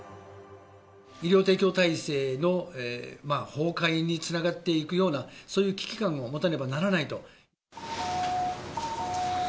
医療提供体制の崩壊につながっていくような、そういう危機感を持たねばならないと。